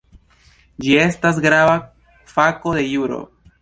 Ĝi estas grava fako de juro.